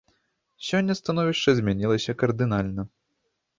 Сёння становішча змянілася кардынальна.